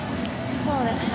そうですね。